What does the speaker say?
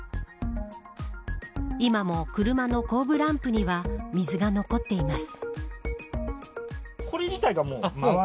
今も車の後部ランプには水が残っています。